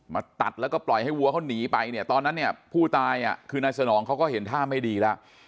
มาตัดแล้วก็ปล่อยให้วัวเขาหนีไปเนี่ยตอนนั้นเนี่ยผู้ตายอ่ะคือนายสนองเขาก็เห็นท่าไม่ดีแล้ว